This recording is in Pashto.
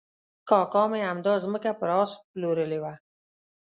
کاکا مې همدا ځمکه پر آس پلورلې وه.